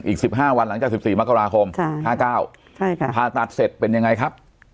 อีกสิบห้าวันหลังจากสิบสี่มกราคมใช่ห้าเก้าใช่ค่ะผ่าตัดเสร็จเป็นยังไงครับ